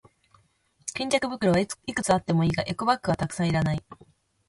巾着袋はいくつあってもいいが、エコバッグはたくさんはいらない。